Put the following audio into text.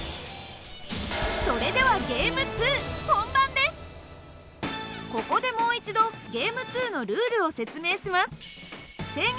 それではここでもう一度Ｇａｍｅ２のルールを説明します。